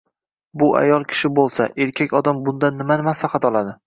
Bu ayol kishi bo`lsa, erkak odam bundan nimani maslahat oladi